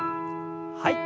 はい。